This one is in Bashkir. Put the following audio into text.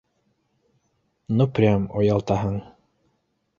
— Ну прям, оялтаһың